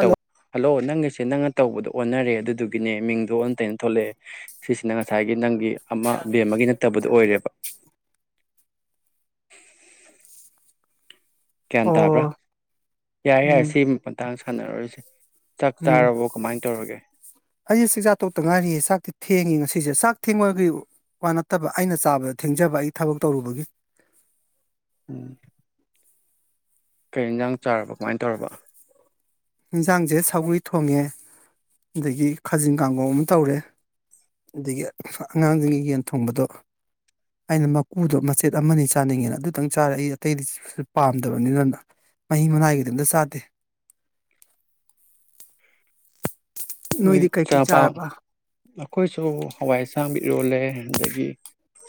ꯇꯧ ꯍꯜꯂꯣ ꯅꯪꯒꯤꯁꯦ ꯅꯪꯅ ꯇꯧꯕꯗꯣ ꯑꯣꯟꯅꯔꯦ ꯑꯗꯨꯗꯨꯒꯤꯅꯦ ꯃꯤꯡꯗꯣ ꯑꯣꯟꯅ ꯇꯩꯅ ꯊꯣꯛꯂꯛꯑꯦ ꯁꯤꯁꯤꯅ ꯉꯁꯥꯏꯒꯤ ꯅꯪ [unintelligible] ꯕꯦꯃꯥꯒꯤ ꯅꯠꯇꯕꯗꯨ ꯑꯣꯏꯔꯦꯕ ꯒ꯭ꯌꯥꯟ ꯇꯥꯕ꯭ꯔꯥ ꯑꯣ ꯌꯥꯔꯦ ꯌꯥꯔꯦ ꯎꯝ ꯁꯤ ꯃꯇꯥꯡ ꯁꯥꯟꯅꯔꯣꯏꯁꯦ ꯎꯝ ꯑꯩ ꯆꯥꯛꯖꯥꯇꯣꯛꯇ ꯉꯥꯏꯔꯤꯌꯦ ꯆꯥꯛꯇꯤ ꯊꯦꯡꯉꯤ ꯉꯁꯤ ꯁꯤꯁꯦ ꯆꯥꯛ ꯊꯦꯡꯕꯒꯤ ꯋꯥ ꯅꯠꯇꯕ ꯑꯩꯅ ꯆꯥꯕꯗ ꯊꯦꯡꯖꯕ ꯑꯩ ꯊꯕꯛ ꯇꯧꯔꯨꯕꯒꯤ ꯎꯝ ꯀꯩ ꯌꯦꯟꯁꯥꯡ ꯆꯥꯔꯕ ꯀꯃꯥꯏꯅ ꯇꯧꯔꯕ ꯏꯟꯁꯥꯡꯁꯦ ꯁꯒ꯭ꯔꯤ ꯊꯣꯡꯉꯦ ꯑꯗꯒꯤ ꯈꯥꯖꯤꯡ ꯀꯥꯡꯒꯣꯡ ꯑꯃ ꯇꯧꯔꯦ ꯑꯗꯒꯤ ꯑꯉꯥꯡꯁꯤꯡꯒꯤ ꯌꯦꯟ ꯊꯣꯡꯕꯗꯣ ꯑꯩꯅ ꯃꯀꯨꯗꯣ ꯃꯆꯦꯠ ꯑꯃꯅꯤ ꯆꯥꯅꯤꯡꯉꯦꯅ ꯑꯗꯨꯇꯪ ꯆꯥꯔꯦ ꯑꯩ ꯑꯇꯩꯗꯤ ꯄꯥꯝꯗꯕꯅꯤꯅꯅ ꯃꯍꯤ ꯃꯅꯥꯏꯒꯤꯗꯤ ꯑꯝꯇ ꯆꯥꯗꯦ ꯃꯣꯏ ꯅꯣꯏꯗꯤ ꯀꯩꯀꯩ ꯆꯄꯥ ꯆꯥꯔꯕ ꯑꯩꯈꯣꯏꯁꯨ ꯍꯋꯥꯏ ꯑꯁꯥꯡ ꯏꯔꯣꯜꯂꯦ ꯑꯗꯒꯤ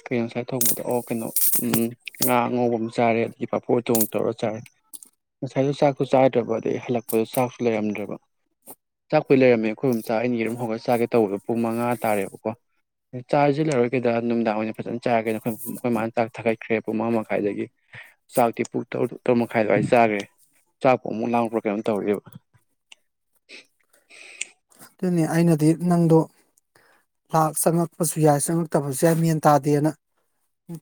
ꯀꯩꯅꯣ ꯉꯁꯥꯏ ꯊꯣꯡꯕꯗ ꯑꯣ ꯀꯩꯅꯣ ꯎꯝ ꯉꯥ ꯑꯉꯧꯕ ꯑꯃ ꯆꯥꯔꯦ ꯑꯗꯒꯤ ꯄꯥꯄꯣꯔꯇꯣꯡ ꯇꯧꯔ ꯆꯥꯔꯦ ꯉꯁꯥꯏꯗ ꯆꯥꯛꯁꯨ ꯆꯥꯗ꯭ꯔꯕ ꯑꯗꯩ ꯍꯜꯂꯛꯄꯗ ꯆꯥꯛꯁꯨ ꯂꯩꯔꯝꯗ꯭ꯔꯕ ꯆꯥꯛ ꯀꯨꯏ ꯂꯩꯔꯝꯃꯦ ꯑꯩꯈꯣꯏ ꯃꯆꯥ ꯑꯅꯤꯒꯤꯔꯝ ꯍꯧꯔꯒ ꯆꯥꯒꯦ ꯇꯧꯕꯗꯣ ꯄꯨꯡ ꯃꯉꯥ ꯇꯥꯔꯦꯕꯀꯣ ꯆꯥꯁꯤꯦ ꯂꯧꯔꯣꯏꯒꯗꯥ ꯅꯨꯡꯗꯥꯡ ꯑꯣꯏꯅ ꯐꯖꯅ ꯆꯥꯔꯒꯦꯅ ꯑꯩꯈꯣꯏ ꯣꯏ ꯃꯥꯟꯅ ꯆꯥꯛ ꯊꯥꯏ ꯈ꯭ꯔꯦ ꯄꯨꯡꯃꯉꯥ ꯃꯈꯥꯏꯗꯒꯤ ꯆꯥꯛꯇꯤꯨꯡꯔꯨ ꯇꯔꯨꯛ ꯃꯈꯥꯏ ꯑꯗꯨꯋꯥꯏ ꯆꯥꯈ꯭ꯔꯦ ꯆꯥꯛꯄꯨ ꯑꯃꯨꯛ ꯂꯥꯡꯄ꯭ꯔꯣ ꯀꯩꯅꯣꯝ ꯇꯧꯔꯤꯑꯦꯕ ꯑꯗꯨꯅꯤ ꯑꯩꯅꯗꯤ ꯅꯪꯗꯣ ꯆꯪꯉꯛꯄꯁꯨ ꯌꯥꯏ ꯆꯪꯉꯛꯇꯕꯁꯨ ꯌꯥꯏ ꯃꯦꯟ ꯇꯥꯗꯦꯅ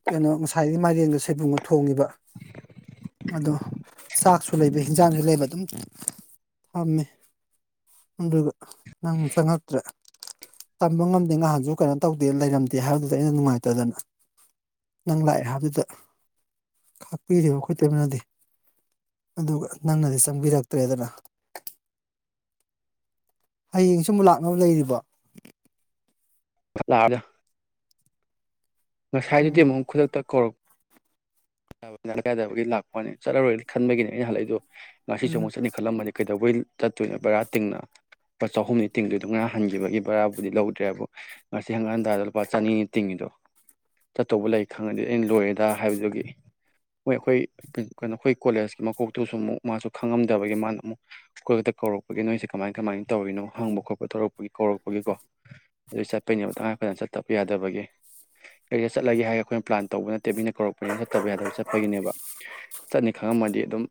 ꯀꯩꯅꯣ ꯉꯁꯥꯏꯒꯤ ꯃꯥꯏꯔꯦꯟꯗ ꯁꯣꯏꯕꯨꯡꯗ ꯊꯣꯡꯉꯤꯕ ꯑꯗꯣ ꯆꯥꯛꯁꯨ ꯂꯩꯕ ꯍꯤꯟꯖꯥꯡꯁꯨ ꯂꯩꯕ ꯑꯗꯨꯝ ꯊꯝꯃꯦ ꯑꯗꯨꯒ ꯅꯪ ꯆꯪꯉꯛꯇ꯭ꯔꯦ ꯇꯝꯕ ꯉꯝꯗꯦ ꯅꯍꯥꯟꯁꯨ ꯀꯩꯅꯣ ꯇꯧꯗꯦ ꯂꯩꯔꯝꯗꯦ ꯍꯥꯏꯕꯗꯨꯗ ꯑꯩꯅ ꯅꯨꯡꯉꯥꯏꯇꯗꯅ ꯅꯪ ꯂꯥꯛꯑꯦ ꯍꯥꯏꯕꯗꯨꯗ ꯈꯥꯛꯄꯤ ꯑꯩꯈꯣꯏ ꯇꯃꯅꯗꯤ ꯑꯗꯨꯒ ꯅꯪꯅꯗꯤ ꯆꯪꯕꯤꯔꯛꯇ꯭ꯔꯦꯗꯅ ꯍꯌꯦꯡ ꯁꯨꯝ ꯂꯥꯛꯅꯕ ꯂꯩꯔꯤꯕ ꯂꯥꯗ ꯉꯁꯥꯏꯗꯨꯗꯤ ꯎꯝ ꯑꯃꯨꯛ ꯈꯨꯗꯛꯇ ꯀꯧꯔꯛꯄ ꯀꯥꯏꯗꯕꯒꯤ ꯂꯥꯛꯄꯅꯤ ꯆꯠꯂꯔꯣꯏꯅ ꯈꯟꯕꯒꯤꯅꯦ ꯑꯩꯅ ꯍꯜꯂꯛꯏꯗꯣ ꯉꯁꯤꯦ ꯎꯝ ꯑꯃꯨꯛ ꯆꯠꯅꯤ ꯈꯜꯂꯝꯕꯅꯤ ꯀ ꯑꯗꯨꯧꯕꯩ ꯆꯠꯇꯣꯏꯅꯦ ꯕꯔꯥ ꯇꯤꯡꯅ ꯂꯨꯄꯥ ꯆꯍꯨꯝꯅꯤ ꯇꯤꯡꯗꯣꯏꯗꯣ ꯉꯔ ꯍꯟꯈꯤꯕꯒꯤ ꯕꯔꯥꯕꯨꯗꯤ ꯂꯧꯗ꯭ꯔꯦꯕꯨ ꯉꯁꯤ ꯍꯪꯒꯥꯥꯟꯗꯥꯗ ꯂꯨꯄꯥ ꯆꯅꯤꯅꯤ ꯇꯤꯡꯉꯤꯗꯣ ꯆꯠꯇꯧꯕ ꯂꯩ ꯈꯪꯉꯗꯤ ꯑꯩꯅ ꯂꯣꯏꯔꯦꯗ ꯍꯥꯏꯕꯗꯨꯒꯤ ꯃꯣꯏ ꯑꯩꯈꯣꯏ ꯀꯩꯅꯣ ꯑꯩꯈꯣꯏ ꯀꯣꯂꯦꯖꯀꯤ ꯃꯀꯣꯛꯇꯨꯁꯨ ꯑꯃꯨꯛ ꯃꯥꯁꯨ ꯈꯪꯉꯝꯗꯕꯒꯤ ꯃꯥꯅ ꯑꯃꯨꯛ ꯑꯩꯈꯣꯏ ꯈꯛꯇ ꯀꯧꯔꯛꯄꯒꯤ ꯅꯣꯏꯁꯦ ꯀꯃꯥꯏ ꯀꯃꯥꯏꯅ ꯇꯧꯔꯤꯅꯣ ꯍꯪꯕ ꯈꯣꯠꯄ ꯇꯧꯔꯛꯄꯒꯤ ꯀꯧꯔꯛꯄꯒꯤꯀꯣ ꯑꯗꯨ ꯆꯠꯄꯩꯅꯦꯕ ꯇꯉꯥꯏꯐꯗꯅ ꯆꯠꯇꯕ ꯌꯥꯗꯕꯒꯤ ꯀꯔꯤꯗ ꯆꯠꯂꯒꯦ ꯍꯥꯏꯔꯒ ꯑꯩꯈꯣꯏꯅ ꯄ꯭ꯂꯥꯟ ꯇꯧꯕ ꯅꯠꯇꯦ ꯃꯤꯅ ꯀꯧꯔꯛꯄꯅꯤꯅ ꯠꯇꯕ ꯌꯥꯗꯕ ꯆꯠꯄꯒꯤꯅꯦꯕ ꯆꯠꯅꯤ ꯈꯪꯉꯝꯃꯗꯤ ꯑꯗꯨꯝ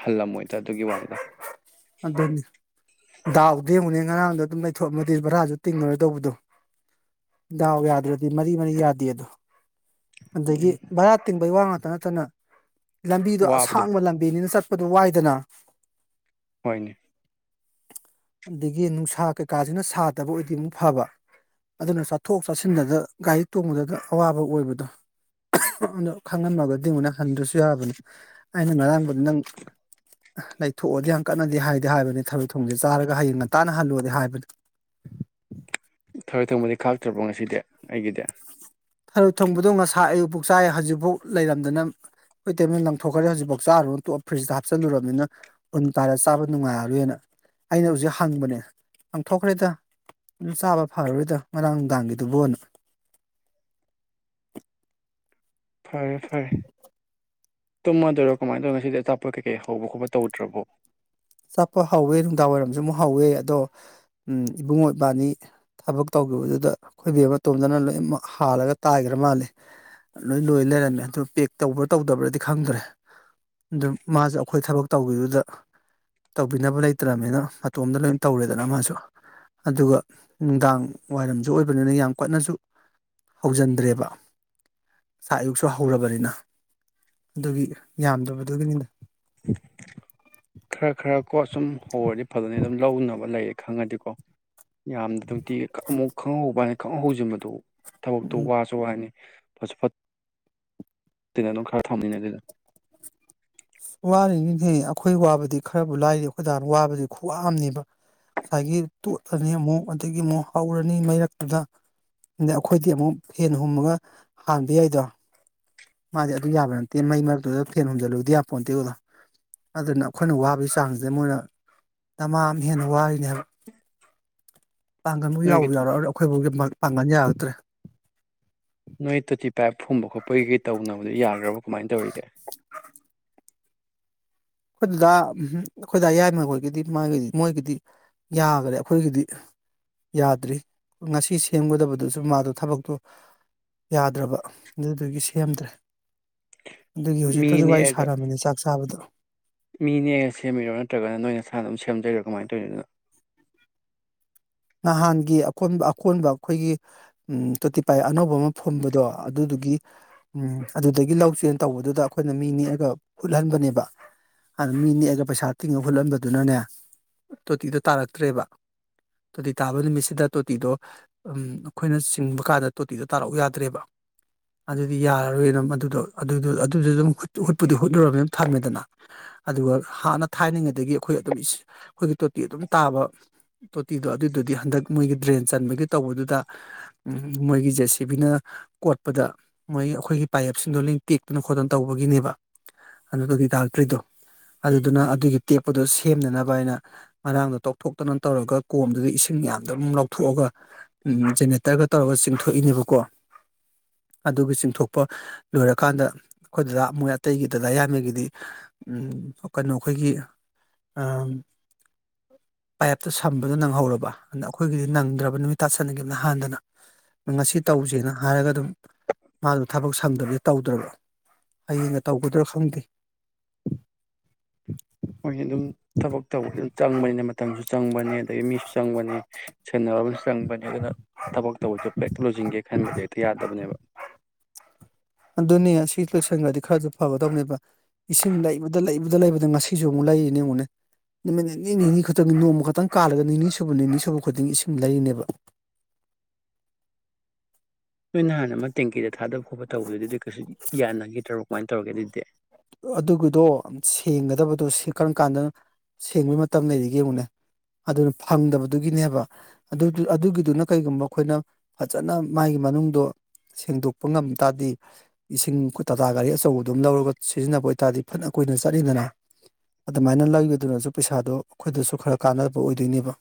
ꯍꯜꯂꯝꯃꯣꯏ ꯆ ꯑꯗꯨꯒꯤ ꯋꯥꯅꯤꯗ ꯑꯗꯨꯅꯤ ꯗꯥꯎꯗꯤ ꯌꯦꯡꯉꯨꯅꯦ ꯉꯔꯥꯡꯗꯣ ꯑꯗꯨꯝ ꯂꯩꯊꯣꯛꯑꯝꯃꯗꯤ ꯚꯔꯥꯁꯨ ꯇꯤꯡꯉꯔꯣꯏ ꯇꯧꯕꯗꯣ ꯗꯥꯎ ꯌꯥꯗ꯭ꯔꯗꯤ ꯃꯔꯤ ꯃꯔꯤ ꯌꯥꯗꯦ ꯑꯗꯣ ꯑꯗꯨꯗꯒꯤ ꯎꯝ ꯔ ꯍꯥꯇꯤꯟ ꯩ ꯋꯥ ꯇꯅꯥ ꯇꯅ ꯂꯝꯕꯤꯗꯣ ꯋꯥꯕꯗꯣ ꯑꯁꯥꯡꯕ ꯂꯝꯕꯤꯅꯤꯅ ꯆꯠꯄ ꯗꯨ ꯋꯥꯏꯗꯅ ꯍꯣꯏꯅꯦ ꯑꯗꯒꯤ ꯅꯨꯡꯁꯥ ꯀꯩꯀꯥꯁꯤꯅ ꯁꯥꯗꯕ ꯑꯣꯏꯗꯤ ꯑꯃꯨꯛ ꯐꯕ ꯑꯗꯨꯅ ꯆꯠꯊꯣꯛ ꯆꯥꯁꯤꯟꯗꯗ ꯒꯥꯔꯤ ꯇꯣꯡꯕꯗ ꯑꯋꯥꯕ ꯑꯣꯏꯕꯗꯣ ꯑꯗꯣ ꯈꯪꯉꯝꯃꯒꯗꯤ ꯑꯃꯨꯣꯏꯛꯅ ꯍꯟꯗ꯭ꯔꯁꯨ ꯌꯥꯕꯅꯤ ꯑꯩꯅ ꯉꯔꯥꯡꯕꯗꯤ ꯅꯪ ꯂꯩꯊꯣꯛꯑꯗꯤ ꯌꯥꯝ ꯀꯟꯅꯗꯤ ꯍꯥꯏꯗꯤ ꯍꯥꯏꯕꯅꯤ ꯊꯕꯛ ꯊꯣꯡꯁꯦ ꯆꯥꯔꯒ ꯍꯌꯦꯡ ꯉꯇꯥꯅ ꯍꯜꯂꯣꯗꯤ ꯍꯥꯏꯕꯅꯤ ꯊꯕꯏ ꯊꯣꯡꯕꯗꯤ ꯈꯥꯛꯇ꯭ꯔꯕꯣ ꯉꯁꯤꯗꯤ ꯑꯩꯒꯤꯗꯤ ꯊꯔꯨ ꯊꯣꯡꯕꯗꯣ ꯉꯁꯥꯏ ꯑꯌꯨꯛ ꯆꯥꯏ ꯍꯧꯖꯤꯛꯐꯥꯎ ꯂꯩꯔꯝꯗꯅ ꯍ ꯇꯜ ꯂꯪꯊꯣꯛꯈ꯭ꯔꯦ ꯍꯧꯖꯤꯛꯐꯥꯎ ꯆꯥꯔꯨꯔꯅꯞ ꯐ꯭ꯔꯤꯖꯇ ꯍꯥꯞꯆꯤꯜꯂꯨꯔꯕꯅꯤꯅ ꯎꯟ ꯇꯥꯔ ꯆꯥꯕ ꯅꯨꯡꯉꯥꯏꯍꯜꯔꯨꯦꯅ ꯑꯩꯅ ꯍꯧꯖꯤꯛ ꯍꯪꯕꯅꯦ ꯂꯪꯊꯣꯛꯈ꯭ꯔꯦꯗ ꯑꯗꯨꯝ ꯆꯥꯕ ꯐꯔꯔꯣꯏꯗ ꯉꯔꯥꯡ ꯅꯨꯡꯗꯥꯡꯒꯤꯗꯨꯕꯨꯅ ꯐꯔꯦ ꯐꯔꯦ ꯇꯨꯝꯃꯗꯣꯏꯔꯣ ꯀꯃꯥꯏꯅ ꯇꯧꯔꯅꯣ ꯉꯁꯤꯗꯤ ꯑꯆꯥꯄꯣꯠ ꯀꯩꯀꯩ ꯍꯧꯕ ꯈꯣꯠꯄ ꯇꯧꯗ꯭ꯔꯕꯣ ꯆꯠꯄ ꯍꯧꯋꯦ ꯅꯨꯡꯗꯥꯡ ꯋꯥꯏꯔꯝꯁꯨ ꯑꯃꯨꯛ ꯍꯧꯋꯦ ꯑꯗꯣ ꯏꯕꯨꯡꯉꯣꯕꯥꯅꯤ ꯊꯕꯛ ꯇꯧꯈꯤꯕꯗꯨꯗ ꯑꯩꯈꯣꯏꯕꯤ ꯑꯃꯇꯣꯝꯗꯅ ꯂꯣꯏꯅꯃꯛ ꯍꯥꯜꯂꯒ ꯇꯥꯏꯈ꯭ꯔ ꯃꯥꯜꯂꯤ ꯂꯣꯏ ꯂꯣꯏ ꯂꯩꯔꯝꯃꯦ ꯑꯗꯨ ꯄꯦꯛ ꯇꯧꯕ꯭ꯔꯥ ꯇꯧꯗꯕ꯭ꯔꯗꯤ ꯈꯪꯗ꯭ꯔꯦ ꯑꯗꯨ ꯃꯥꯁꯨ ꯑꯩꯈꯣꯏ ꯊꯕꯛ ꯇꯧꯈꯤꯕꯗꯨꯗ ꯇꯧꯕꯤꯅꯕ ꯂꯩꯇ꯭ꯔꯕꯅꯤꯅ ꯃꯇꯣꯝꯇ ꯂꯣꯏꯅ ꯇꯧꯔꯦꯗꯅ ꯃꯥꯁꯨ ꯑꯗꯨꯒ ꯅꯨꯡꯗꯥꯡ ꯋꯥꯏꯔꯝꯁꯨ ꯑꯣꯏꯕꯅꯤꯅ ꯌꯥꯝ ꯀꯟꯅꯁꯨ ꯍꯧꯖꯤꯟꯗ꯭ꯔꯦꯕ ꯑꯥꯛ ꯑꯌꯨꯛꯁꯨ ꯍꯧꯔꯕꯅꯤꯅ ꯑꯗꯨꯒꯤ ꯌꯥꯝꯗꯕꯗꯨꯒꯤꯅꯤꯅ ꯈꯔ ꯈꯔ ꯀꯣ ꯁꯨꯝ ꯍꯧꯔꯗꯤ ꯐꯖꯅꯤ ꯑꯗꯨꯝ ꯂꯧꯅꯕ ꯂꯩꯔꯦ ꯈꯪꯉꯗꯤꯀꯣ ꯌꯥꯝꯅ ꯑꯗꯨꯝꯇꯤ ꯑꯃꯨꯛ ꯈꯪꯍꯍꯧꯕ ꯈꯪꯍ ꯍꯧꯁꯤꯟꯕꯗꯨꯣ ꯊꯕꯛꯇꯨ ꯎꯝ ꯋꯥꯁꯨ ꯋꯥꯅꯤ ꯐꯠꯁꯨ ꯐꯠꯇꯠꯇꯅ ꯑꯗꯨꯝ ꯈꯔ ꯊꯝꯃꯤꯟꯅ ꯑꯗꯨꯗ ꯋꯥꯔꯤꯅꯤꯅꯦꯦ ꯑꯩꯈꯣꯏ ꯋꯥꯕꯗꯤ ꯈꯔꯕꯨ ꯂꯥꯏꯔꯤ ꯑꯩꯈꯣꯏꯗ ꯋꯥꯕꯗꯤ ꯈꯨ꯭ꯋꯥꯝꯅꯦꯕ ꯉꯁꯥꯏꯒꯤ ꯇꯣꯠꯂꯅꯤ ꯑꯃꯨꯛ ꯑꯗꯒꯤ ꯑꯃꯨꯛ ꯍꯧꯔꯅꯤ ꯃꯩ ꯃꯔꯛꯇꯨꯗ ꯑꯗꯩ ꯑꯩꯈꯣꯏꯗꯤ ꯑꯃꯨꯛ ꯐꯦꯟ ꯍꯨꯝꯃꯒ ꯍꯥꯟꯕ ꯌꯥꯏꯗꯣ ꯃꯥꯗꯤ ꯑꯗꯨ ꯌꯥꯕ ꯅꯠꯇꯦ ꯃꯩ ꯃꯔꯛꯇꯨꯗ ꯐꯦꯟ ꯍꯨꯝꯖꯤꯜꯂꯨꯗꯤ ꯌꯥꯝ ꯐꯣꯟ ꯇꯤꯨꯗ ꯑꯗꯨꯅ ꯑꯩꯈꯣꯏꯅ ꯋꯥꯕꯒꯤ ꯆꯥꯡꯁꯦ ꯃꯣꯏꯅ ꯗꯃꯥꯝ ꯍꯦꯟꯅ ꯋꯥꯔꯤꯅꯦ ꯍꯥꯏꯕ ꯄꯥꯡꯒꯟꯕꯨ ꯅꯣꯏꯒꯤ ꯌꯥꯎꯕ ꯌꯥꯎꯔꯛꯑꯔ ꯑꯩꯈꯣꯏꯕꯨꯒꯤ ꯄꯪꯉꯅ ꯌꯥꯕꯛꯇ꯭ꯔꯦ ꯅꯣꯏ ꯇꯣ ꯇꯤ ꯄꯥꯏ ꯐꯨꯝꯕ ꯄꯒ ꯇꯧꯅꯕꯗꯣ ꯌꯥꯈ꯭ꯔꯕꯣ ꯀꯃꯥꯏꯅ ꯇꯧꯔꯤꯒꯦ ꯑꯩꯈꯣꯏꯗꯨꯗ ꯑꯩꯈꯣꯏꯗ ꯑꯌꯥꯏꯕꯈꯣꯏꯒꯤꯗꯤ ꯃꯥꯒꯤꯗꯤ ꯃꯣꯏꯒꯤꯗꯤ ꯌꯥꯈꯔꯦ ꯑꯩꯈꯣꯏꯒꯤꯗꯤ ꯌꯥꯗ꯭ꯔꯤ ꯉꯁꯤ ꯁꯦꯝꯒꯗꯕꯗꯨꯁꯨ ꯃꯥꯗꯣ ꯊꯕꯛꯇꯣ ꯌꯥꯗ꯭ꯔꯕ ꯑꯗꯨꯒꯤ ꯁꯦꯝꯗ꯭ꯔꯦ ꯑꯗꯨꯒꯤ ꯃꯤ ꯍꯧꯖꯤꯛꯇꯁꯨ ꯋꯥꯔꯤ ꯁꯥꯔꯝꯃꯤꯅꯤ ꯆꯥꯛꯁ ꯇꯕꯗ ꯃꯤꯅꯦꯅ ꯁꯦꯝꯃꯤꯔꯣ ꯅꯠꯇ꯭ꯔꯒꯅ ꯅꯣꯏ ꯅꯁꯥꯅ ꯑꯗꯨꯝ ꯁꯦꯝꯖꯩꯔꯣ ꯀꯃꯥꯏꯅ ꯇꯧꯔꯤꯅꯣ ꯑꯗꯨꯅꯣ ꯅꯍꯥꯟꯒꯤ ꯑꯣꯟꯕ ꯑꯀꯣꯟꯕ ꯑꯩꯈꯣꯏꯒꯤ ꯇꯣꯇꯤ ꯄꯥꯏ ꯑꯅꯧꯕ ꯑꯃ ꯐꯨꯝꯕꯗꯣ ꯑꯗꯨꯗꯨꯒꯤ ꯎ ꯑꯗꯨꯗꯒꯤ ꯂꯧ ꯆꯦꯟ ꯇꯧꯕꯗꯨꯗ ꯑꯩꯈꯣꯏꯅ ꯃꯤ ꯅꯦꯛꯑꯒ ꯍꯨꯠꯍꯟꯕꯅꯦꯕ ꯑꯗꯨꯅ ꯃꯤ ꯅꯦꯛꯑꯒ ꯄꯩꯁꯥ ꯇꯤꯡꯉ ꯍꯨꯠꯍꯟꯕꯗꯨꯅꯅꯦ ꯇꯣꯇꯤꯗꯣ ꯇꯥꯔꯛꯇ꯭ꯔꯦꯕ ꯇꯣꯇꯤ ꯇꯥꯕ ꯅꯨꯃꯤꯠꯁꯤꯗ ꯇꯣꯇꯤꯗꯣ ꯑꯩꯈꯣꯏꯅ ꯆꯤꯡꯕ ꯀꯥꯟꯗ ꯇꯣꯇꯤꯗꯣ ꯇꯥꯔꯛꯎ ꯌꯥꯗ꯭ꯔꯦꯕ ꯑꯗꯨꯗꯤ ꯌꯥꯔꯔꯣꯏꯅ ꯑꯗꯨꯗꯣ ꯑꯗꯨꯗ ꯑꯗꯨꯝ ꯍꯨꯠꯄꯨꯗꯤ ꯍꯨꯠꯂꯨꯅꯤꯅ ꯊꯝꯃꯦꯗꯅ ꯑꯗꯨꯒ ꯍꯥꯟꯅ ꯊꯥꯏꯅꯤꯡꯉꯩꯗꯒꯤ ꯑꯩꯈꯣꯏ ꯑꯗꯨꯝ ꯑꯩꯈꯣꯏꯒꯤ ꯇꯣꯇꯤ ꯑꯗꯨꯝ ꯇꯥꯕ ꯇꯤꯗꯣ ꯑꯗꯨꯗꯨꯗꯤ ꯍꯟꯗꯛ ꯃꯣꯏꯒꯤ ꯗ꯭ꯔꯦꯟ ꯆꯟꯕꯒꯤ ꯇꯧꯕꯗꯨꯗ ꯃꯣꯏꯒꯤ ꯖꯦ ꯁꯤ ꯕꯤꯅ ꯀꯣꯠꯄꯗ ꯃꯣꯏ ꯑꯩꯈꯣꯏꯒꯤ ꯄꯥꯏꯞꯁꯤꯡꯗꯣ ꯂꯤꯡ ꯇꯦꯛꯇꯅ ꯈꯣꯠꯇꯅ ꯇꯧꯕꯒꯤꯅꯦꯕ ꯑꯗꯨꯗꯨꯗꯤ ꯇꯥꯛꯇ꯭ꯔꯤꯗꯣ ꯑꯗꯨꯗꯨꯅ ꯑꯗꯨꯒꯤ ꯇꯦꯛꯄꯗꯣ ꯁꯦꯝꯅꯅꯕ ꯍꯥꯏꯅ ꯃꯥꯡꯗ ꯇꯣꯛꯊꯣꯛꯇꯅ ꯇꯧꯔꯒ ꯀꯣꯝꯗꯨꯗ ꯏꯁꯤꯡ ꯌꯥꯝꯗ ꯑꯗꯨꯝ ꯂꯧꯊꯣꯛꯑꯒ ꯖꯦꯅꯦꯔꯦꯇꯔꯒ ꯇꯧꯔꯒ ꯆꯤꯡꯊꯣꯛꯏꯅꯦꯕꯀꯣ ꯑꯗꯨꯒꯤ ꯆꯤꯡꯊꯣꯛꯄ ꯂꯣꯏꯔꯀꯥꯟꯗ ꯑꯩꯈꯣꯏ ꯗꯗꯥ ꯃꯣꯏ ꯑꯇꯩꯒꯤ ꯗꯗꯥ ꯏꯅꯒꯤꯗꯤ ꯀꯩꯅꯣ ꯑꯩꯈꯣꯏꯒꯤ ꯄꯥꯏꯞꯇ ꯊꯝꯕꯗꯣ ꯅꯪꯍꯧꯔꯕ ꯑꯗ ꯑꯩꯈꯣꯏꯒꯤꯗꯤ ꯅꯪꯗ꯭ꯔꯕ ꯅꯨꯃꯤꯠ ꯇꯥꯁꯅꯈꯤꯕ ꯅꯍꯥꯟꯗꯅ ꯉꯁꯤ ꯇꯧꯁꯦꯅ ꯍꯥꯏꯔꯒ ꯑꯗꯨꯝ ꯃꯥꯗꯣ ꯊꯕꯛ ꯁꯪꯗꯕꯗꯤ ꯇꯧꯗ꯭ꯔꯕ ꯍꯌꯦꯡꯒ ꯇꯧꯒꯗ꯭ꯔꯥ ꯈꯪꯗꯦ ꯃꯣꯏꯅ ꯑꯗꯨꯝ ꯊꯕꯛ ꯇꯧꯕ ꯑꯗꯨꯝ ꯆꯪꯕꯅꯤꯅ ꯃꯇꯝꯁꯨ ꯆꯪꯕꯅꯤ ꯑꯗꯒꯤ ꯃꯤꯁꯨ ꯆꯪꯕꯅꯤ ꯁꯦꯟꯅ ꯑꯃꯁꯁꯨ ꯆꯪꯕꯅꯤ ꯑꯗꯨꯅ ꯊꯕꯛ ꯇꯧꯕꯁꯨ ꯄꯦꯛ ꯂꯣꯏꯁꯤꯤꯡꯒꯦ ꯈꯟꯕꯁꯦ ꯍꯦꯛꯇ ꯌꯥꯗꯕꯅꯦꯕ ꯑꯗꯨꯗꯨꯅꯅꯤꯌꯥ ꯁꯤ ꯏꯂ ꯁꯪꯒꯥꯗꯤ ꯈꯔꯖ ꯐꯕꯗꯧꯅꯦꯕ ꯏꯁꯤꯡ ꯂꯩꯕꯗ ꯂꯩꯕꯗ ꯂꯩꯕꯗ ꯉꯁꯤꯁꯨ ꯑꯃꯨꯛ ꯂꯩꯔꯤꯅꯦ ꯑꯃꯨꯛꯅꯦ ꯅꯨꯃꯤꯠ ꯅꯤꯅꯤ ꯅꯤꯅꯤ ꯈꯛꯇꯪꯒꯤ ꯅꯣꯡꯃ ꯈꯛꯇꯪ ꯀꯥꯜꯂꯒ ꯅꯤꯅꯤ ꯁꯨꯕ ꯅꯤꯅꯤ ꯁꯨꯕ ꯈꯨꯗꯤꯡꯒꯤ ꯏꯁꯤꯡ ꯂꯩꯔꯤꯅꯦꯕ ꯅꯣꯏ ꯅ ꯍꯥꯟꯅ ꯑꯃ ꯇꯦꯡꯀꯤꯗ ꯊꯥꯗꯕ ꯈꯣꯠꯄ ꯇꯧꯕꯗꯨꯗꯤ ꯑꯗꯨ ꯀꯩꯁꯨ ꯌꯥꯅꯈꯤꯗ꯭ꯔꯣ ꯀꯃꯥꯏꯅ ꯇꯧꯔꯒꯦ ꯑꯗꯨꯗꯤ ꯑꯗꯨꯒꯤꯗꯣ ꯁꯦꯡꯒꯗꯕꯗꯣ ꯀꯔꯝ ꯀꯥꯟꯗꯅ ꯁꯦꯡꯕꯒꯤꯩ ꯃꯇꯝ ꯂꯩꯔꯤꯒꯦꯕꯨꯅꯦ ꯑꯗꯨꯅ ꯐꯪꯗꯕꯗꯨꯒꯤꯅꯦꯕ ꯑꯗꯨ ꯑꯗꯨꯒꯤꯗꯨꯅ ꯀꯔꯤꯒꯨꯝꯕ ꯑꯩꯈꯣꯏꯅ ꯐꯖꯅ ꯃꯥꯒꯤ ꯃꯅꯨꯡꯗꯣ ꯁꯦꯡꯗꯣꯛꯄ ꯉꯝ ꯇꯥꯔꯗꯤ ꯏꯁꯤꯡ ꯇꯥꯇꯥ ꯒꯥꯔꯤ ꯑꯆꯧꯕ ꯑꯗꯨꯝ ꯂꯧꯔꯒ ꯁꯤꯖꯤꯟꯅꯕ ꯑꯣꯏꯇꯥꯔꯗꯤ ꯐꯅ ꯀꯨꯏꯅ ꯆꯠꯂꯤꯗꯅ ꯑꯗꯨꯃꯥꯏꯅ ꯂꯧꯒꯗꯨꯅꯁꯨ ꯄꯩꯁꯥꯗꯣ ꯑꯩꯈꯣꯏꯗꯁꯨ ꯈꯔ ꯀꯥꯟꯅꯕ ꯑꯣꯏꯗꯣꯏꯅꯦꯕ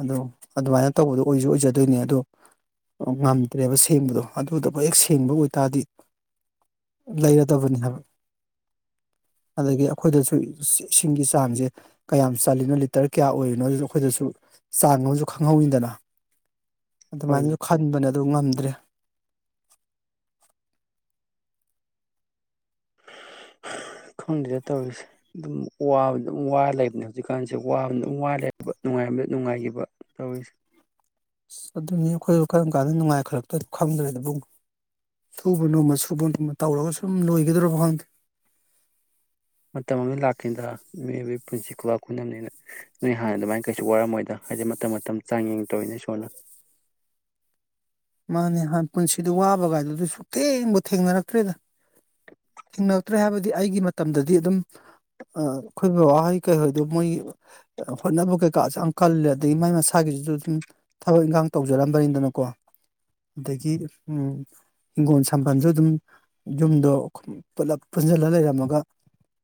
ꯑꯗꯣ ꯑꯗꯨꯃꯥꯏꯅ ꯇꯧꯕꯗꯣ ꯑꯣꯏꯁꯨ ꯑꯣꯏꯖꯗꯣꯏꯅꯦ ꯑꯗꯣ ꯉꯝꯗ꯭ꯔꯦꯕ ꯁꯦꯡꯕꯗꯣ ꯑꯗꯨꯗꯕꯨ ꯍꯦꯛ ꯁꯦꯡꯕ ꯑꯣꯏꯇꯥꯔꯗꯤ ꯂꯩ ꯠꯇꯕꯅꯤ ꯍꯥꯏꯕ ꯑꯗꯒꯤ ꯑꯩꯈꯣꯏꯗꯁꯨ ꯏꯁꯤꯡꯒꯤ ꯆꯥꯡꯁꯦ ꯀꯌꯥꯝ ꯆꯜꯂꯤꯅꯣ ꯂꯤꯇꯔ ꯀꯌꯥ ꯑꯣꯏꯔꯤꯅꯣ ꯑꯗꯨꯁꯨ ꯑꯩꯈꯣꯏꯗꯁꯨ ꯆꯥꯡ ꯑꯃꯁꯨ ꯈꯪꯍꯧꯋꯤꯗꯅ ꯍꯣꯏꯅꯦ ꯑꯗꯨꯃꯥꯏꯅꯁꯨ ꯈꯟꯕꯅ ꯑꯗꯨ ꯉꯝꯗ꯭ꯔꯦ ꯈꯪꯗꯗ ꯇꯧꯔꯤꯁꯦ ꯑꯗꯨꯝ ꯋꯥꯕꯅ ꯑꯗꯨꯝ ꯋꯥ ꯂꯩꯕꯅꯦ ꯍꯧꯖꯤꯛꯀꯥꯟꯁꯦ ꯋꯥꯕꯅ ꯑꯗꯨꯝ ꯋꯥ ꯂꯩꯕ ꯅꯨꯡꯉꯥꯏꯕꯗ ꯅꯨꯡꯉꯥꯏꯈꯤꯕ ꯇꯧꯔꯤꯁꯦ ꯑꯁ ꯑꯗꯨꯅꯤ ꯑꯩꯈꯣꯏ ꯀꯔꯝ ꯀꯥꯟꯗ ꯅꯨꯡꯉꯥꯏꯈꯂꯛꯇꯣꯏ ꯈꯪꯗ꯭ꯔꯦ ꯑꯗꯨꯕꯨꯡ ꯁꯨꯕ ꯅꯣꯃ ꯁꯨꯕ ꯅꯣꯃ ꯇꯧꯔꯒ ꯁꯨꯝ ꯂꯣꯏꯒꯗ꯭ꯔꯕ ꯈꯪꯗꯦ ꯃꯇꯝ ꯑꯃꯗ ꯂꯥꯛꯀꯗ ꯃꯤꯑꯣꯏꯕꯒꯤ ꯄꯨꯟꯁꯤ ꯈꯨꯋꯥꯥꯛ ꯈꯨꯅꯕꯅꯤꯅ ꯅꯣꯏ ꯍꯥꯟꯅ ꯑꯗꯨꯃꯥꯏꯅ ꯀꯩꯁꯨ ꯋꯥꯔꯝꯃꯣꯏꯗ ꯍꯥꯏꯗꯤ ꯃꯇꯝ ꯃꯇꯝ ꯆꯥꯡ ꯌꯦꯡ ꯇꯧꯔꯤꯅꯦ ꯏꯁꯣꯔꯅ ꯃꯥꯅꯦ ꯍꯥꯟ ꯄꯨꯟꯁꯤꯗ ꯋꯥꯕ ꯀꯥꯏꯗꯨꯗ ꯁꯨ ꯊꯦꯡꯕꯨ ꯊꯦꯡꯅꯔꯛꯇ꯭ꯔꯦꯗ ꯊꯦꯡꯅꯛꯇ꯭ꯔꯦ ꯍꯥꯏꯕꯗꯤ ꯑꯩꯒꯤ ꯃꯇꯝꯗꯗꯤ ꯑꯗꯨꯝ ꯑꯩꯈꯣꯏ ꯕꯕꯥꯍꯣꯏ ꯀꯩꯍꯣꯏꯗꯣ ꯃꯣꯏ ꯍꯣꯠꯅꯕ ꯀꯩꯀꯥꯁꯨ ꯌꯥꯝ ꯀꯜꯂꯦ ꯑꯗꯒꯤ ꯃꯥꯏ ꯃꯁꯥꯒꯤꯁꯤꯁꯨ ꯑꯗꯨꯝ ꯊꯕꯛ ꯏꯪꯈꯥꯡ ꯇꯧꯖꯔꯝꯕꯅꯤꯗꯅꯀꯣ ꯑꯗꯒꯤ ꯍꯤꯡꯒꯣꯜ ꯁꯥꯝꯕꯜꯁꯨ ꯑꯗꯨꯝ ꯌꯨꯝꯗꯣ ꯄꯨꯂꯞ ꯄꯨꯟꯁꯤꯜꯂ ꯂꯩꯔꯝꯃꯒ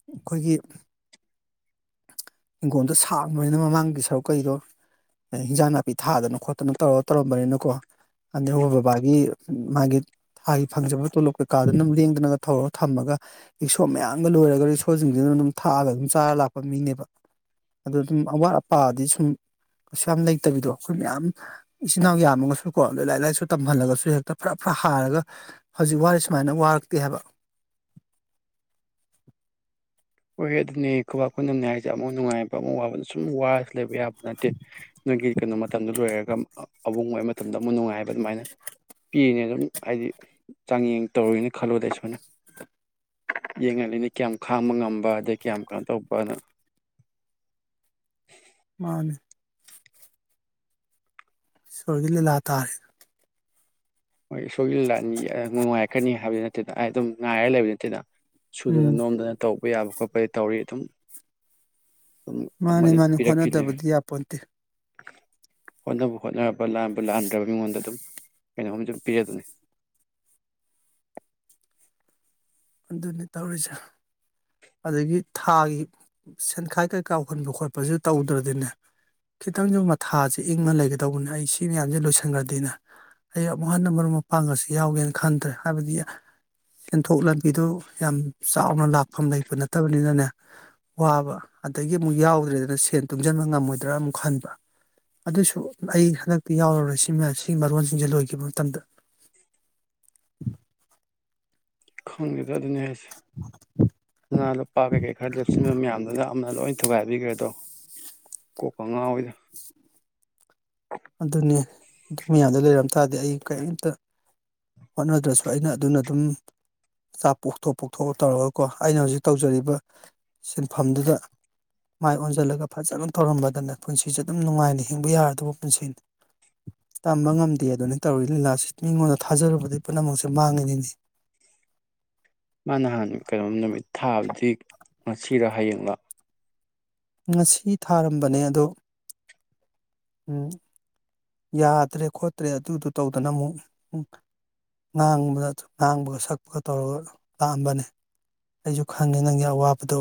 ꯑꯩꯈꯣꯏꯒꯤ ꯍꯤꯡꯒꯣꯜꯗꯣ ꯁꯥꯡꯕꯅꯤꯅ ꯃꯃꯥꯡꯒꯤ ꯁꯔꯨꯛ ꯀꯩꯗꯣ ꯍꯤꯟꯖꯥꯡ ꯅꯥꯄꯤ ꯊꯥꯗꯅ ꯈꯣꯠꯇꯅ ꯇꯧꯔ ꯇꯧꯔꯝꯕꯅꯤꯅꯀꯣ ꯑꯗꯩ ꯑꯩꯈꯣꯏ ꯕꯕꯥꯒꯤ ꯃꯥꯒꯤ ꯊꯥꯒꯤ ꯐꯪꯖꯕ ꯇꯣꯂꯣꯞ ꯀꯩꯀꯥꯗꯅꯝ ꯂꯦꯡꯗꯅ ꯊꯧꯔꯒ ꯊꯝꯃꯒ ꯏꯁꯣ ꯃꯌꯥꯝꯒ ꯂꯣꯏꯔꯒ ꯏꯁꯣꯁꯤꯡꯁꯤꯗꯅ ꯑꯗꯨꯝ ꯊꯥꯛꯑꯒ ꯑꯗꯨꯝ ꯆꯥꯔ ꯂꯥꯛꯄ ꯃꯤꯅꯦꯕ ꯑꯗꯣ ꯑꯗꯨꯝ ꯑꯋꯥꯠ ꯑꯄꯥꯗꯤ ꯁꯨꯝ ꯀꯩꯁꯨ ꯌꯥꯝ ꯂꯩꯇꯕꯤꯗꯣ ꯑꯩꯈꯣꯏ ꯃꯌꯥꯝ ꯏꯆꯤꯟꯜ ꯏꯅꯥꯎ ꯌꯥꯝꯃꯒꯁꯨꯀꯣ ꯑꯗꯨꯣꯏ ꯂꯥꯏꯔꯤꯛ ꯂꯥꯏꯁꯨ ꯇꯝꯍꯜꯂꯒꯁꯨ ꯍꯦꯛꯇ ꯐꯔꯥ ꯐꯔꯥ ꯍꯥꯔꯒ ꯍꯧꯖꯤꯛ ꯋꯥꯔꯤꯔꯦ ꯁꯨꯃꯥꯏꯅ ꯋꯥꯔꯛꯇꯦ ꯍꯥꯏꯕ ꯍꯦ ꯑꯗꯨꯅꯦ ꯈꯨꯕꯥꯛ ꯈꯨꯗꯝꯅꯤ ꯍꯥꯏꯁꯦ ꯑꯃꯨꯛ ꯅꯨꯡꯉꯥꯏꯕ ꯑꯃꯨꯛ ꯋꯥꯕꯅ ꯁꯨꯝ ꯋꯥꯏ ꯂꯩꯕ ꯌꯥꯕ ꯅꯠꯇꯦ ꯅꯣꯏꯒꯤ ꯀꯩꯅꯣ ꯃꯇꯝꯗꯨꯣ ꯂꯣꯏꯔꯒ ꯕ ꯃꯇꯝꯗ ꯅꯨꯡꯉꯥꯏꯕ ꯑꯗꯨꯃꯥꯏꯅ ꯄꯤꯝ ꯍꯥꯏꯗꯤ ꯆꯥꯡꯌꯦꯡ ꯇꯧꯔꯨꯅ ꯈꯜꯂ ꯁꯃꯅ ꯌꯦꯡꯜꯂꯤ ꯈꯕ ꯉ ꯑꯗꯗꯒꯤ ꯀꯌꯥꯝ ꯀꯩꯅꯣ ꯇꯧꯕꯅꯣ ꯃꯥꯅꯦ ꯁꯣꯏꯖꯤꯂ ꯂꯥꯛ ꯇꯥꯔꯦ ꯍꯣꯏ ꯁꯣꯏꯍꯤꯜꯂꯥꯅꯤ ꯃꯅꯨꯡꯉꯥꯏ ꯀꯥꯛꯀꯅꯤ ꯍꯥꯏꯕꯗꯨ ꯅꯠꯇꯦꯗ ꯑꯩ ꯑꯗꯨꯝ ꯉꯥꯏꯔꯒ ꯂꯩꯕ ꯅꯠꯇꯦꯗ ꯁꯨꯗꯅ ꯎꯝ ꯅꯣꯝꯗꯅ ꯇꯧ ꯄ ꯌꯥꯕ ꯈꯣꯠꯄꯗꯤ ꯇꯧꯔꯤ ꯑꯗꯨꯝ ꯑꯗꯨꯝ ꯃꯥꯅꯤ ꯑꯃꯗꯤ ꯑꯗꯨꯝ ꯃꯥꯅꯤ ꯄꯤꯔꯛꯈꯤꯅꯤ ꯍꯣꯠꯅꯗꯕꯗꯤ ꯌꯥꯄꯣꯟꯗꯦ ꯍꯣꯠꯅꯕ ꯍꯣꯠꯔꯕ ꯂ ꯂꯥꯟꯍꯥꯟꯗ꯭ꯔꯕ ꯃꯤꯉꯣꯟꯗ ꯑꯗꯨꯝ ꯀꯩꯅꯣꯝ ꯄꯤ ꯑꯗꯨꯅꯤ ꯑꯗꯨꯅꯤ ꯇꯧꯔꯤꯁ ꯑꯗꯒꯤ ꯊꯥꯒꯤ ꯁꯦꯟꯈꯥꯏ ꯀꯩ ꯀꯥꯎꯍꯟꯕ ꯈꯣꯠꯄꯁꯨ ꯇꯧꯗ꯭ꯔꯗꯤꯅꯦ ꯈꯤꯇꯪꯁꯨ ꯃꯊꯥꯁꯦ ꯏꯪꯅ ꯂꯩꯒꯗꯧꯕꯅꯦ ꯑꯩ ꯁꯤ ꯃꯌꯥꯝꯁꯦ ꯂꯣꯏꯁꯟꯈ꯭ꯔꯗꯤꯅꯦ ꯑꯩ ꯑꯃꯨꯛ ꯍꯟꯅ ꯃꯔꯨꯞ ꯃꯄꯥꯡꯒꯁꯤ ꯌꯥꯎꯒꯦꯅ ꯈꯟꯗ꯭ꯔꯦ ꯍꯥꯏꯕꯗꯤ ꯁꯦꯟꯊꯣꯛ ꯂꯝꯕꯤꯗꯨ ꯌꯥꯝ ꯆꯥꯎꯅ ꯂꯥꯛꯐꯝ ꯂꯩ ꯅꯠꯇꯕꯅꯤꯅꯅꯦ ꯋꯥꯕ ꯑꯗꯒꯤ ꯑꯃꯨꯛ ꯌꯥꯎꯗ꯭ꯔꯦꯗꯅ ꯁꯦꯟ ꯇꯨꯡꯁꯤꯟꯕ ꯉꯝꯃꯣꯏꯗ꯭ꯔꯥ ꯑꯃꯨꯛ ꯈꯟꯕ ꯑꯗꯨꯁꯨ ꯑꯩ ꯍꯟꯗꯛꯇꯤ ꯌꯥꯎꯔꯔꯣꯏ ꯁꯤ ꯁꯤꯒꯤ ꯃꯔꯣꯟꯁꯤꯡꯁꯦ ꯂꯣꯏꯈꯤꯕ ꯃꯇꯝꯗ ꯈꯪꯒꯦꯗ ꯑꯗꯨꯅꯤ ꯍꯥꯏꯁꯦ ꯁꯅꯥ ꯂꯨꯄꯥ ꯀꯩꯀꯩ ꯈꯔ ꯂꯦꯞꯁꯤꯟꯕ ꯃꯌꯥꯝꯗꯨꯅ ꯑꯃꯅ ꯂꯣꯏ ꯊꯨꯒꯥꯏꯕꯤꯈ꯭ꯔꯦ ꯑꯗꯣ ꯀꯣ ꯀꯉꯥꯥꯎꯅ ꯑꯗꯨꯅꯤ ꯑꯗꯨ ꯃꯌꯥꯝꯗ ꯂꯩꯔꯝ ꯇꯥꯔꯗꯤ ꯑꯩ ꯀꯔꯤꯝꯇ ꯍꯣꯠꯅꯗ꯭ꯔꯁꯨ ꯑꯩꯅ ꯑꯗꯨꯅ ꯑꯗꯨꯝꯆꯥ ꯄꯣꯛꯊꯣꯛ ꯄꯣꯛꯊꯣꯛꯑ ꯇꯧꯔꯒꯀꯣ ꯑꯩꯅ ꯍꯧꯖꯤꯛ ꯇꯧꯖꯔꯤꯕ ꯁꯤꯟꯐꯝꯗꯨꯗ ꯃꯥꯏ ꯑꯣꯟꯁꯤꯜꯂꯒ ꯐꯖꯅ ꯇꯧꯔꯝꯕꯗꯅ ꯄꯨꯟꯁꯤꯁꯦ ꯑꯗꯨꯝ ꯅꯨꯡꯉꯥꯏꯅ ꯍꯤꯡꯕ ꯌꯥꯔꯗꯕ ꯇꯝꯕ ꯉꯝꯗꯦ ꯑꯗꯨꯅꯤ ꯇꯧꯔꯤꯏ ꯂꯤꯂꯥꯁꯤ ꯃꯤꯉꯣꯟꯗ ꯊꯥꯖꯔꯨꯕꯗꯒꯤꯩ ꯄꯨꯝꯅꯃꯛꯁꯦ ꯃꯥꯡꯉꯤꯅꯤꯅꯤ ꯉꯁꯤꯗ ꯍꯌꯦꯡꯂꯡꯂꯥ ꯉꯁꯤ ꯊꯥꯔꯝꯕꯅꯦ ꯑꯗꯣ ꯎꯝ ꯌꯥꯗ꯭ꯔꯦ ꯈꯣꯠꯇ꯭ꯔꯦ ꯑꯗꯨꯗꯨ ꯇꯧꯗꯅ ꯑꯃꯨꯛ ꯉꯥꯡꯕꯗ ꯉꯥꯡꯕꯒ ꯁꯛꯄꯒ ꯇꯧꯔꯒ ꯂꯥꯛꯑꯝꯕꯅꯦ ꯑꯩꯁꯨ ꯈꯪꯉꯦ ꯅꯪꯒꯤ ꯑꯋꯥꯕꯗꯣ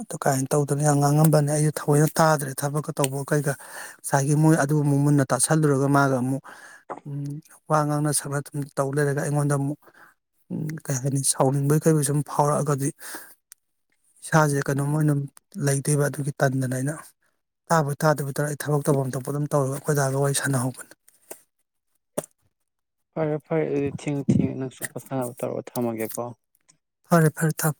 ꯑꯗꯨ ꯀꯥꯏꯅ ꯇꯧꯗꯅ ꯌꯥꯝ ꯉꯥꯡꯉꯝꯕꯅꯦ ꯑꯩꯁꯨ ꯊꯑꯣꯏꯅ ꯇꯥꯗ꯭ꯔꯦ ꯊꯕꯛꯀ ꯇꯧꯕ ꯀꯩꯒ ꯉꯁꯥꯏꯒꯤ ꯃꯣꯏ ꯑꯗꯨ ꯑꯃꯨꯛ ꯃꯨꯟꯅ ꯇꯥꯁꯜꯂꯨꯔꯒ ꯃꯥꯒ ꯑꯃꯨꯛ ꯋꯥ ꯉꯥꯡꯅ ꯁꯛꯅꯨꯝ ꯇꯧ ꯂꯩꯔꯒ ꯑꯩꯉꯣꯟꯗ ꯑꯃꯨꯛ ꯀꯩ ꯍꯥꯏꯅꯤ ꯁꯥꯎꯅꯤꯡꯕꯒꯤ ꯀꯩꯩ ꯁꯨꯝ ꯐꯥꯎꯔꯛꯑꯒꯗꯤ ꯏꯁꯥꯁꯦ ꯀꯩꯅꯣꯝ ꯑꯣꯏꯅ ꯂꯩꯇꯦꯕ ꯑꯗꯨꯒꯤ ꯇꯟꯗꯅ ꯑꯩꯅ ꯇꯥꯕ ꯇꯥꯗꯕ ꯇ ꯊꯕꯛ ꯇꯧꯐꯝ ꯊꯣꯛꯄ ꯑꯗꯨꯝ ꯇꯧꯔꯒ ꯑꯩꯈꯣꯏꯗꯥꯒ ꯋꯥꯔꯤ ꯁꯥꯟꯅꯍꯧꯕꯅꯤ ꯐꯔꯦ ꯐꯔꯦ ꯑꯗꯨꯗꯤ ꯊꯦꯡꯉ ꯊꯦꯡꯉꯤ ꯅꯪꯁꯨ ꯄꯣꯊꯥꯅꯕ ꯇꯧꯔꯒ ꯊꯝꯃꯒꯦꯀꯣ ꯐꯔꯦ ꯐꯔꯦ ꯊꯝꯃꯣ